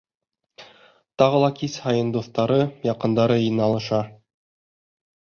Тағы ла кис һайын дуҫтары, яҡындары йыйналыша.